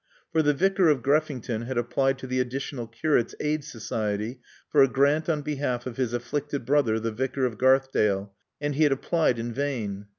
For the Vicar of Greffington had applied to the Additional Curates Aid Society for a grant on behalf of his afflicted brother, the Vicar of Garthdale, and he had applied in vain.